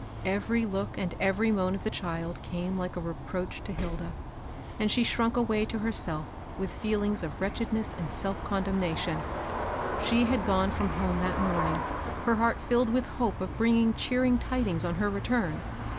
Every look and every moan of the child came like a reproach to Hilda ; and she shrunk away to herself with feelings of wretchedness and self condemnation. She had gone from home that morning, her heart filled with hope of bringing cheering tidings on her return.